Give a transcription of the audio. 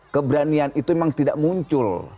keberanian itu memang tidak muncul